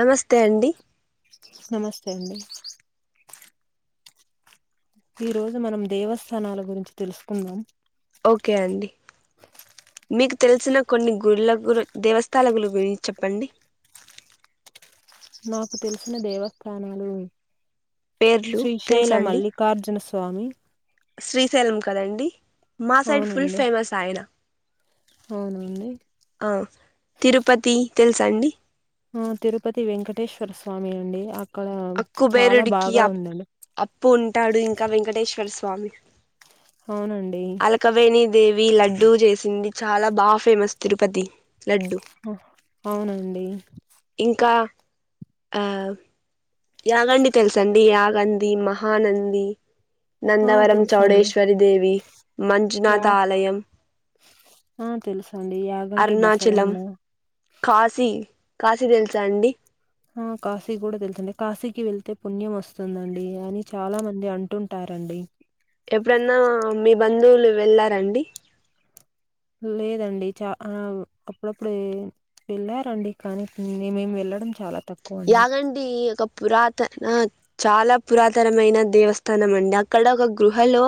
నమస్తే అండి.. నమస్తే అండి.. ఈ రోజు మనం దేవస్థానాల గురించి తెలుసుకుందాం. ఓకే అండి మీకు తెలిసిన కొన్ని గుళ్ల గు దేవస్థాలకుల గురించి చెప్పండి. నాకు తెలిసిన దేవస్థానాలు... పేర్లు శ్రీశైల తెలుసా అండి మల్లికార్జున స్వామి, శ్రీశైలం కదండి మా సైడ్ ఫుల్ అవునండి ఫేమస్ ఆయన అవునండి ఆ తిరుపతి తెలుసా అండి.. ఆ తిరుపతి వెంకటేశ్వర స్వామి అండి ఆ ఆ కుబేరుడి కి అప్పు ఉంటాడు. ఇంకా వెంకటేశ్వర స్వామి స్వామి అవునండి. దేవి లడ్డూ చేసింది. చాలా బా ఫేమస్ తిరుపతి లడ్డు ఆ, అవునండి ఇంకా... ఆ యాగండి తెలుసండి యాగంది మహానంది. ఆ నందవరం తెలుసండి చౌడేశ్వరి దేవి, మంజునాథ యా ఆలయం, ఆ తెలుసండి యాగంటి అరుణాచలం బసవన్న కాశీ కాశీ తెలుసా అండి.. ఆ కాశీ కూడా తెలుసండి కాశీకి వెళ్తే పుణ్యం వస్తుందండి. అని చాలా మంది అంటుంటారండి. ఎప్పుడన్నా మీ బంధువులు వెళ్ళారండి. లేదండి చ అప్పుడప్పుడు వెళ్ళారండి. కానీ మేము వెళ్ళడం చాలా తక్కువ అండి యాగండి పురాతనా ఆ చాలా పురాతనమైన దేవస్థానం అండి. అక్కడ ఒక గృహలో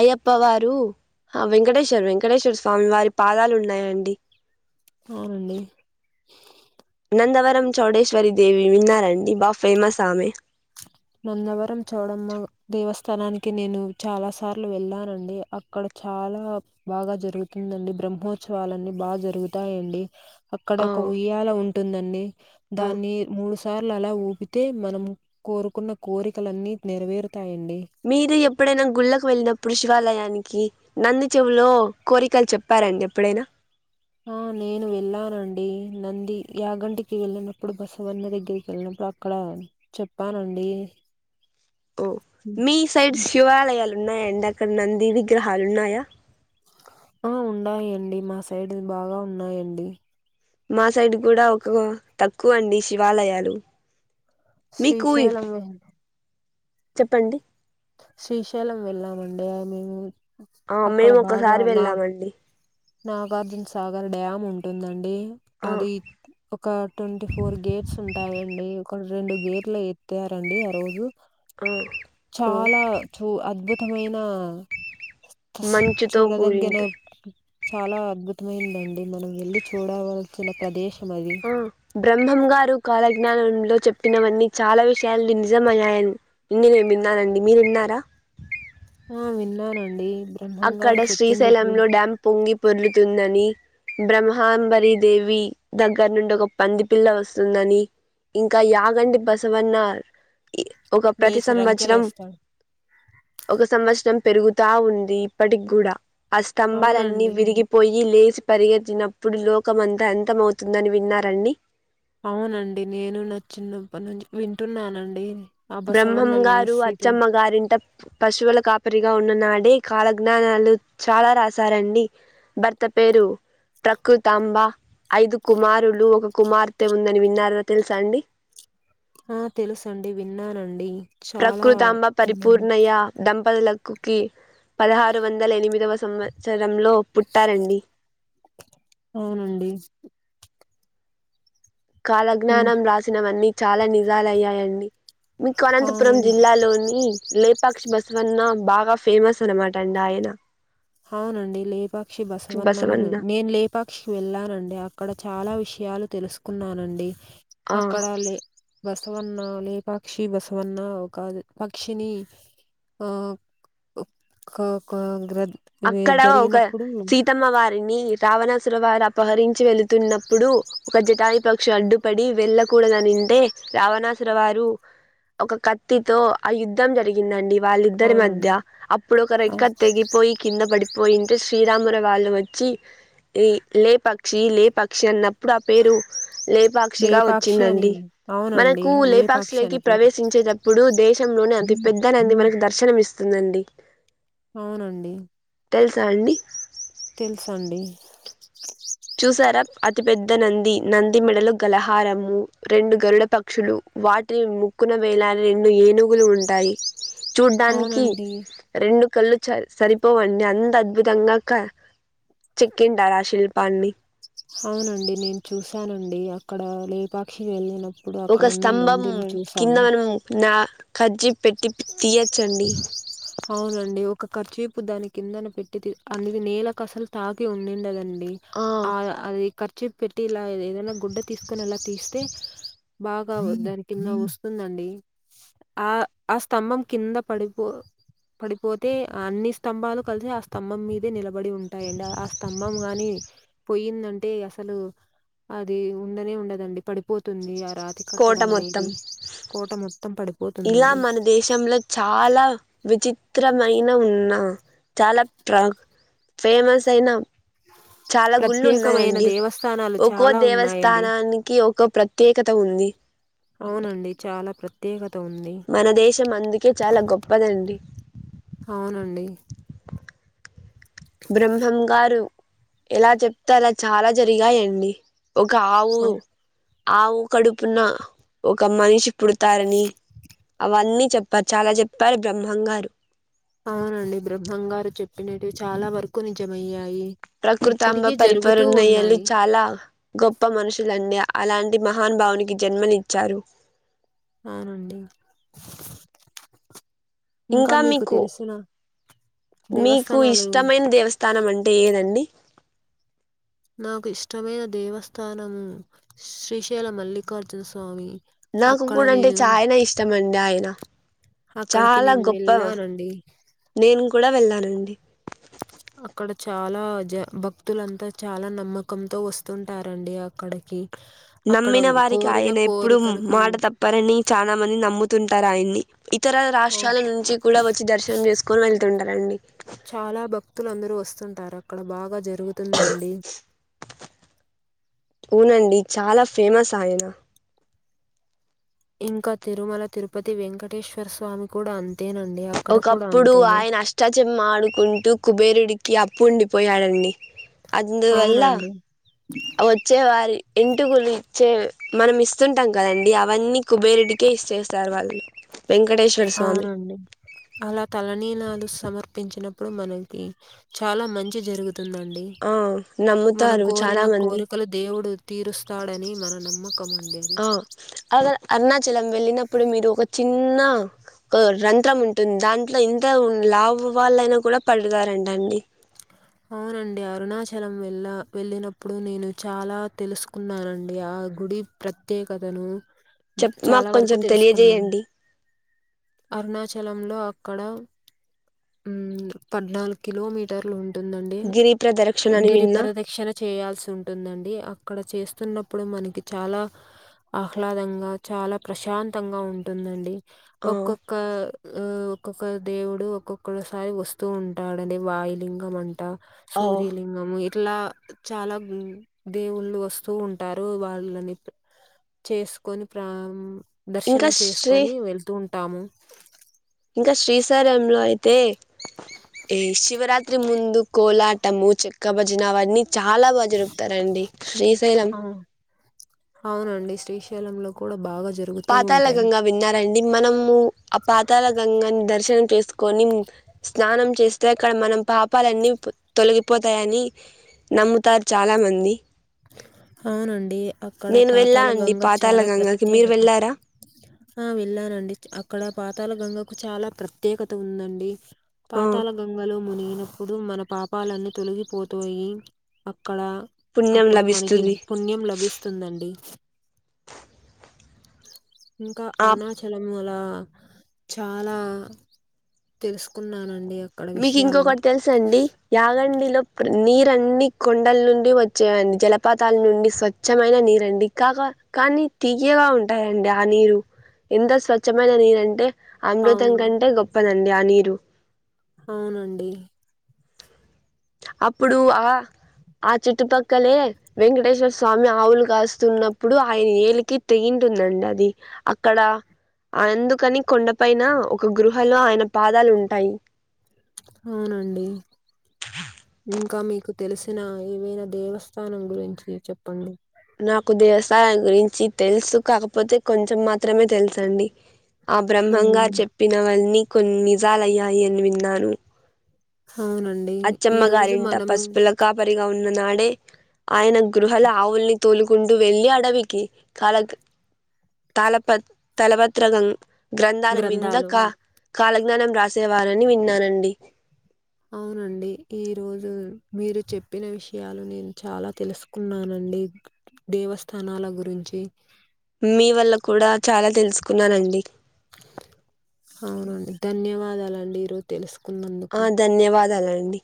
అయ్యప్ప వారు ఆ వెంకటేశ్వర వెంకటేశ్వర స్వామి వారి పాదాలు ఉన్నాయాండి. అవునండి. నందవరం చోడేశ్వరి దేవి విన్నారా అండి బా ఫేమస్ ఆమె నందవరం చౌడమ్మ దేవస్థానానికి నేను చాలా సార్లు వెళ్ళానండి అక్కడ చాలా బాగా జరుగుతుందండి బ్రహ్మోత్సవలున్నీ బాగా జరుగుతాయండి. అక్కడ ఆ ఒక ఉయ్యాల ఉంటుందండి. ఆ దాన్ని మూడు సార్లు అలా ఊపితే మనం కోరు కున్న కోరికలన్నీ నెరవేరు మీరు ఎప్పుడైనా గుళ్ళకు వెళ్ళినప్పుడు శివాలయానికి... నంది చెవులో కోరికలు చెప్పారండి. ఎప్పుడైనా ఆ నేను వెళ్ళానండి. నంది యాగంటికి వెళ్ళినప్పుడు బసవన్న దగ్గరికి వెళ్ళినప్పుడు అక్కడ చెప్పానండి. ఓ మీ సైడ్ శివాలయలు ఉన్నాయండీ అక్కడ విగ్రహాలు ఉన్నాయా. ఆ ఉన్నాయంండి మా సైడ్ బాగా ఉన్నాయండి మా సైడ్ కూడా ఒక తక్కువ అండి శివాలయాలు మీకు శ్రీశైలం మెహే చెప్పండి శ్రీశైలం వెళ్ళామండి మేము ఆ అక్కడ మేము బాగా ఒకసారి నా వెళ్ళామండి నాగార్జున సాగర్ డ్యామ్ ఉంటుందండి ఆ అది ఒక ట్వంటీ ఫోర్ గేట్స్ ఉంటాయండి ఒక రెండు గేట్లు ఎత్తారండి ఆ రోజు ఆ ఓ చాలా చు అద్భుత ఇష్టమైన మంచుతో కూడింట చాలా అద్భుతమైందండి మనం వెళ్ళి చూడవలసిన ప్రదేశం అది ఆ బ్రహ్మం గారు కాల జ్ఞానం లో చెప్పినవన్నీ చాలా విషయాలు నిజమయ్యాయ ఎన్ని నేను విన్నానండి మీరు విన్నారా ఆ విన్నానండి అక్కడ బ్రహ్మంగారు శ్రీశైలం చెప్పిండేటివి లో డ్యామ్ పొంగి పొర్లుతుందని బ్రహ్మాంబరి దేవి దగ్గర నుండి ఒక పంది పిల్ల వస్తుందని ఇంకా యాగంటి బసవన్న ఒక ప్రతి లేచి సంవత్సరం రంకెలేస్తాడు ఒక సంవత్సరం పెరుగుతా ఉంది పటిగూడ ఆ స్తంభాలన్నీ అవునండి విరిగిపోయి ఈ లేచి పరిగెత్తినప్పుడు లోకం అంతా అంత మవుతుందని విన్నారండి అవునండి నేను నచ్చినప్ప నుంచి వింటున్నానండి ఆ బసవన్న బ్రహ్మంగారు లేసిది అచ్చమ్మ గారింట పశువుల కా రిగా ఉన్నాడే కాల జ్ఞానాలు చాలా రాశారండి భర్త పేరు ప్రకృతాంబ ఐదు కుమారులు ఒక కుమార్తె ఉందని విన్నార తెలుసా అండి ఆ తెలుసండి విన్నానండి చాలా ప్రకృతంబ విన్నాను పరిపూర్ణయ్య దంపతులలకు కుకిీ పదహారు వందల ఎనిమిదవ సంవత్సరంలో పుట్టారండి అవునండి ఇం కాలజ్ఞానం రాసినవన్నీ చాలా నిజాలుయ్యాయండి మీకు అనంతపురం అవునండి జిల్లాలోని లేపాక్షి బస్ సవన్న బాగా ఫేమస్ అన్నమాట అడా ఆయన అవునండి లేపాక్షి బసవన్నను బసవన్న నేను లేపాక్షికి వెళ్ళానండి అక్కడ చాలా విషయాలు తెలుసు కున్నానండి ఆ అక్కడ లే బసవన్న లేపాక్షి బసవన్న ఒక పక్షిని ఆ గ గ గ్ర అక్కడ ఒక జరిగినప్పుడు సీతమ్మ వార్ వెళ్ళి రావణాసుల వారు అపహరించి వెళ్ళతున్నప్పుడు, ఒక జటాయి పక్షు అడ్డుపడి, వెళ్ళకూడదనింటే రావణాసుర వారు ఒక కత్తితో ఆ యుద్ధం జరిగిందండి. వాళ్ళిద్దరి మధ్య అవునండి అప్పుడు ఒక ఆ రెక్క తెగిపోయి కింద పడిపోయింటే శ్రీరాముల వాళ్ళు వచ్చి ఈ లే పక్షి లే పక్షి అన్నప్పుడు ఆ పేరు లేపాక్షిగా లేపాక్షి అని వచ్చిందండి అవునండి మనకు లేపాక్షి లేపాక్షిలకి అని పేరు ప్రవేశించేటప్పుడు దేశంలోనే అతి పెద్దనంది మనకు దర్శనం ఇస్ స్తుందండి అవునండి తెలుసా అండి తెలుసండి చూశారా అతిపెద్ద నంది నంది మెడలు గలహారము రెండు గరుడ పక్షులు వాటిని ముక్కున వేలాని రెండు ఏనుగులు ఉంటాయి చూడ్డానికి అవునండి రెండు కళ్ళు చ సరిపోవండి అంత అద్భుతంగా క చెక్కింటారు ఆ శిల్ప పాన్ని అవునండి నేను చూసానండి అక్కడ లేపాక్షి వెళ్ళినప్పుడు ఒక అక్కడున్న స్తంభం నందిని కింద చూశాను మనం నా ఖజ్జి పెట్టి తీయచ్చండి. అవునండి ఒక ఖర్చు ప్పు దాని కిందన పెట్టి అందుది నేలలకు అసలు తాగి ఉండిందెలెన్ అ ఆ అది ఖర్చిప్ పెట్టి ఇలా ఏదైనా గుడ్డ తీసుకొని ఇలా తీస్తే బాగా దాని కింద వస్తుందండి ఆ ఆ స్తంభం కింద పడిపో పడిపోతే అన్ని స్తంభాలు కలిసి ఆ స్తంభం మీదే నిలబడి ఉంటాయండి ఆ స్తంభం గాని పొయ్యిందంటే అసలు అది ఉండనే ఉండదండి పడిపోతుంది రాతి కోట కట్టడం మొత్తం. అనేది కోట మొత్తం పడు ఇలా మన దేశంలో చాలా విచిత్రమైన ఉన్న చాలా ప్ర ఫేమస్ అయిన చాలా గుళ్ళు ప్రత్యేకమైన ఉన్నాయండి దేవస్థానాలు ఒక్కో చాలా ఉన్నాయండి దేవస్థానానికి ఒక ప్రత్యేకత ఉంది అవునండి చాలా ప్రత్యేకత ఉంది. మన దేశం అందుకే చాలా గొప్పదండి అవునండి. బ్రహ్మం గారు ఎలా చెప్తే అలా చాలా జరిగాయండి ఒక ఆవు ఆ, ఆవు కడుపున ఒక మనిషి పుడతారని అవన్నీ చెప్పారు చాలా చెప్పారు బ్రహ్మంగారు అవునండి బ్రహ్మంగారు చెప్పినట్వి చాలా వరకు నిజమయ్యాయి ప్రకృత అబ ఇప్పటికీ జరుగుతూ పరిపూర్ణయ్యలు ఉన్నాయి. చాలా గొప్ప మనుషులండి అలాంటి మహాను బావునికి జన్మనిచ్చారు అవునండి ఇంకా మీకు తెలుసిన మీకు ఇష్టమైన దేవస్థానం అంటే ఏదండి నాకు ఇష్టమైన దేవస్థానము శ్రీశైల మల్లికార్జున స్వామి నాకు అక్కడ కూడా అంటే నేను చాయనా ఇష్టమ అండి ఆయన అక్కడికి చాలా నేను గొప్ప వెలానండి నేను కూడా వెళ్ళానండి అక్కడ చాలా జ భక్తులంతా చాలా నమ్మకంతో వస్తుంటారండి అక్కడికి అక్కడ నమ్మిన వారికి కోరిన ఆయన ఎప్పుడుూ కోరికలకు మాట తప్పరని చాలా మంది నమ్ముతుంటారు ఆయన్ని ఇతర ఆ రాష్ట్రాల నుంచి కూడా వచ్చి దర్శనం చేసుకొని వెల్లి వెళ్తుంటారండి చాలా భక్తులు అందరూ వస్తుంటారు అక్కడ బాగా జరి వునండి చాలా ఫేమస్ ఆయన ఇంకా తిరుమల తిరుపతి వెంకటేశ్వర స్వామి కూడా అంతే ఒకప్పుడు ఆయన అష్టాచం ఆడుకుంటూ కుబేరుడికి అప్పు పండిపోయాడండి అందువల్ల అవునండి. వచ్చే వారి ఎంటుకులు చే మనం ఇస్తుంటాం కదండడి అవన్నీ కుబేరుెడ్డికే ఇచ్చేస్తారు వాళ్ళు వెంకటేశ్వర స్వామి అవునండి. అలా తలనీనాలు సమర్పించినప్పుడు మనకి చాలా మంచి జరుగుతు తుందండి ఆ మనం నమ్ముతారు కోరిన చాలా మంది కోరికలు దేవుడు తీరుస్తాడని మన నమ్మకం అండి అది. ఆ అ అరుణాచలం వెల్లిన ఇప్పుడు మీరు ఒక చిన్న రంధ్రం ఉంటుంది దాంట్లో ఎంత లావు వాళ్ళయినా కూడా పడతారంట అండి అవునండి అరుణాచలం వెళ్ళ వెళ్ళినప్పుడు నేను చాలా తెలుసుకున్నానండి ఆ గుడి ప్రత్యేకతను చెప్ మాకు చాలా వరకు కొంచెం తెలుసుకున్నాను. తెలియజేయండి అరుణాచలంలో అక్కడ ఉమ్ పద్నాలుగు కిలోమీటర్లు ఉంటుందండి గిరి ప్రదక్షిణ అని విన్నా గిరిపరదక్షిణ చేయాల్సి ఉంటుందండి అక్కడ చేస్త వస్తున్నప్పుడు మనకి చాలా ఆహ్లాదంగా చాలా ప్రశాంతంగా ఉంటుందండి ఆ ఒక్కొక్క ఆ ఒక్కొక్క దేవుడు ఒక్కొక్కసారి వస్తూ ఉంటాడుడి వాయులింగం అంట ఓ సూర్యలింగము ఇట్లా చాలా దేవుళ్ళు వస్తూ ఉంటారు వాళ్ళని చేసుకొని ప్ర ఇంకా దర్శనం శ్రీ చేసుకొని వెళ్తూ ఉంట తాము ఇంకా శ్రీశలంలో అయితే ఈ శివరాత్రి ముందు కోలాటము చెక్క భజన అవన్నీ చాలా బాగా జరుపుతారండి శ్రీశైలం ఆ, అవునండి శ్రీశైలం లో కూడా బాగా జరుగుతూ పాతళ ఉంటాయి. గంగా విన్నారండి మనము ఆ పాతళ గంగన్ దర్శన చేసు కొని స్నానం చేస్తే అక్కడ మనం పాపాలన్నీ తొలగిపోతాయని నమ్ముతారు చాలామంది అవునండి అక్కడ నేను పాతాల గంగ చాలా ప్రత్యేకత తర ఆ వెళ్ళానండి అక్కడ పాతాల గంగకు చాలా ప్రత్యేకత ఉందండి ఆ పాతాల గంగలు మునిగినప్పుడు మన పాపాలన్నీ తొలగిపోతోయి అక్కడ పుణ్యం అప్పుడు మనకి లభిస్తుంది పుణ్యం లభిస్తుందండి ఇంకా ఆ అరుణాచలము అలా చాలా తెలుసుకున్నానండి అక్కడ మీకు విషయాలు. ఇంకొకటి తెలుస అండి యాగండలో నీరన్ని కొండల నుండి వచ్చేవండి జలపాతాల నుండి స్వచ్ఛమైన నీరండి కాగా కానీ తీయ్యగా ఉంటాయండి ఆ నీరు ఎంత స్వచ్ఛమైన నీరు అంటే అమృతం అవును. కంటే గొప్పద అండి ఆ నీరు అవునండి అప్పుడు ఆ ఆ చుట్టుపక్కలే వెంకటేశ్వర స్వామి ఆవులు కాస్తున్నప్పుడు ఆయన ఏలికి తెగింటుందండి అది అక్కడ అందుకని కొండపైన ఒక గృహలో ఆయన పాదాలు ఉంటాయి అవునండి ఇంకా మీకు తెలిసిన ఏవైన దేవస్థానం గురించి చెప్పండి నాకు దేవస్థానాల గురించి తెలుసు కాకపోతే కొంచెం మాత్రమే తెలుసు అండి ఆ అవును. బ్రహ్మంగారు చెప్పిన వాన్నీ కొన్ని నిజాలయ్యాయి అని విన్నాను అవునండి అచ్చమ్మ ఈరోజు గారింట మనము పసుపుల కాపరిగా ఉన్న నాడే ఆయన గృహల ఆవుల్ని తోలు గుండు వెళ్లి అడవికి కాల తలప తలపత్రకం గ్రంథాల గ్రంథాలు. మీందక కాలజ్ఞానం రాసేవారని విన్నానండి అవునండి ఈరోజు మీరు చెప్పిన విషయాలు నేను చాలా తెలుసుకున్నానండి దేవస్థానాల గురించి మీ వల్ల కూడ చాల తెలుసుకున్నానండి అవునండి ధన్యవాదాలు అండి ఈరోజు తెలుసుకో ఆ ధన్యవాదాలండి అండి